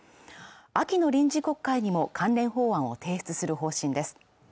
秋の臨時国会にも関連法案を提出する方針です